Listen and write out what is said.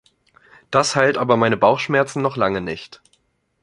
Das heilt aber meine Bauchschmerzen noch lange nicht.